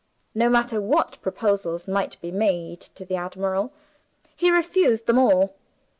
No matter what proposals might be made to the admiral, he refused them all.